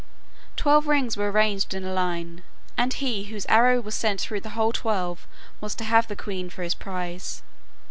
Twelve rings were arranged in a line, and he whose arrow was sent through the whole twelve was to have the queen for his prize.